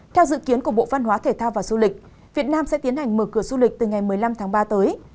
theo dự kiến của bộ văn hóa thể thao và du lịch việt nam sẽ tiến hành mở cửa du lịch từ ngày một mươi năm tháng ba tới